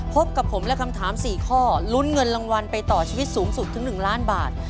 พบกับผมและคำถาม๔ข้อลุ้นเงินรางวัลไปต่อชีวิตสูงสุดถึง๑ล้านบาท